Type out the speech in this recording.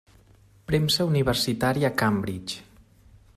Premsa Universitària Cambridge.